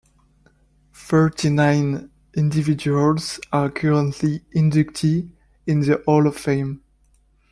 Thirty-nine individuals are currently inductees in the Hall of Fame.